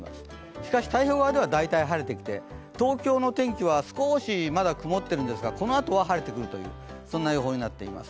しかし太平洋側では大体、晴れてきて東京の天気は少しまだ曇ってるんですがこのあとは晴れてくるというそんな予報になっています。